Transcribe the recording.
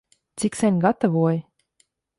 Cik sen gatavoji?